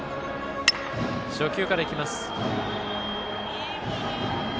初球から行きます。